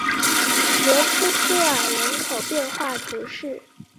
罗科科尔人口变化图示